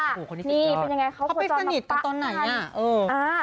โอ้โหคนนี้จริงเยอะพาไปสนิทกันตอนไหนอ่ะเออนี่เป็นยังไงเขาโพสต์ตอนน้ำปะใคร